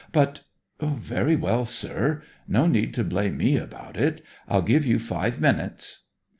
But Very well, sir; no need to blame me about it. I'll give you five minutes.